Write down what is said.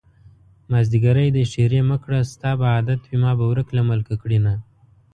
مازديګری دی ښېرې مکړه ستا به عادت وي ما به ورک له ملکه کړينه